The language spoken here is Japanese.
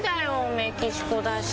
メキシコだし。